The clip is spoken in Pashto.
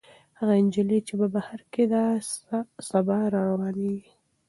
هغه نجلۍ چې په بهر کې ده، سبا راروانېږي.